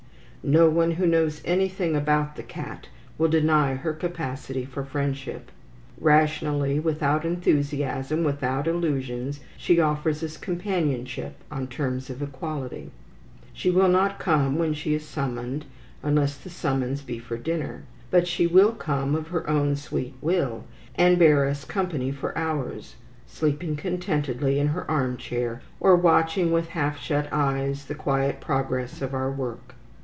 No one who knows anything about the cat will deny her capacity for friendship. Rationally, without enthusiasm, without illusions, she offers us companionship on terms of equality. She will not come when she is summoned, unless the summons be for dinner, but she will come of her own sweet will, and bear us company for hours, sleeping contentedly in her armchair, or watching with half shut eyes the quiet progress of our work.